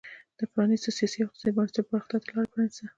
د پرانیستو سیاسي او اقتصادي بنسټونو پراختیا ته لار پرانېسته.